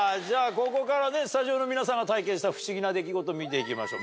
ここからスタジオの皆さんが体験した不思議な出来事見ていきましょう